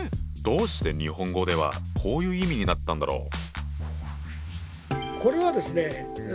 どうして日本語ではこういう意味になったんだろう？